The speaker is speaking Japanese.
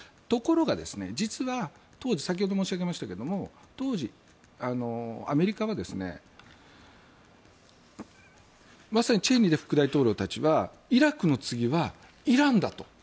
ところが実は先ほど申し上げましたが当時、アメリカはまさにチェイニー副大統領たちはイラクの次はイランだと。